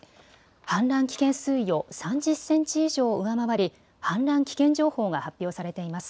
氾濫危険水位を３０センチ以上上回り氾濫危険情報が発表されています。